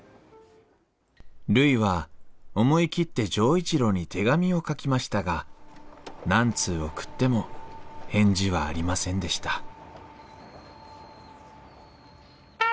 るいは思い切って錠一郎に手紙を書きましたが何通送っても返事はありませんでした